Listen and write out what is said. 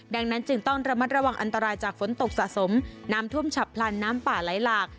ดังนั้นจึงต้องระมัดระวังอันตรายจากฝนตกสะสมน้ำท่วมฉับพลันน้ำป่าไหลหลาก